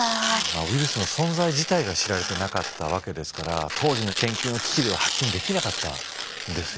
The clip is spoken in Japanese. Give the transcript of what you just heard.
ウイルスの存在自体が知られてなかったわけですから当時の研究の機器では発見できなかったんですよね。